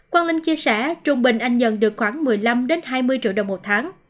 quang linh chia sẻ trung bình anh nhận được khoảng một mươi năm hai mươi triệu đồng một tháng